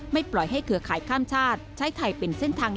ปล่อยให้เครือข่ายข้ามชาติใช้ไทยเป็นเส้นทาง